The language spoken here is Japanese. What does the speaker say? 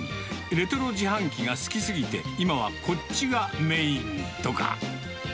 レトロ自販機が好き過ぎて、今はこっちがメインとか。